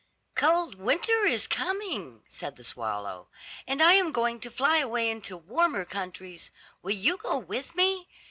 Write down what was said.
"Cold winter is coming," said the swallow, "and I am going to fly away into warmer countries. Will you go with me?